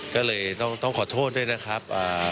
ก็เลยต้องขอโทษด้วยนะครับ